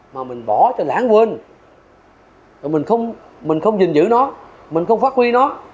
mà mình bỏ cho lãng quên mình không dình dữ nó mình không phát huy nó